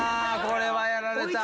これはやられた。